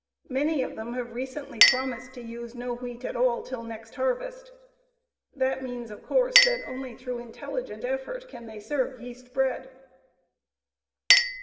Many of them have recently promised to use no wheat at all till the next harvest. That means, of course, that only through intelligent effort can they serve yeast bread.